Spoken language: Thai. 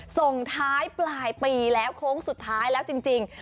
ส่งท้ายปลายปีแล้วโค้งสุดท้ายแล้วจริง